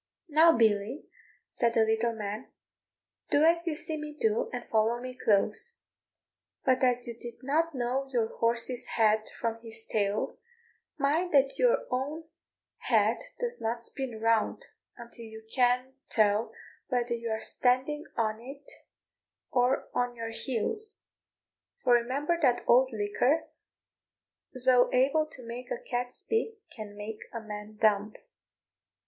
"Now, Billy," said the little man, "do as you see me do, and follow me close; but as you did not know your horse's head from his tail, mind that your own head does not spin round until you can't tell whether you are standing on it or on your heels: for remember that old liquor, though able to make a cat speak, can make a man dumb."